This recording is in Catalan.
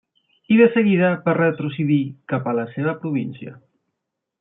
I de seguida va retrocedir cap a la seva província.